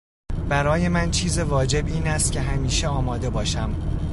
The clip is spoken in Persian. برای من چیز واجب این است که همیشه آماده باشم.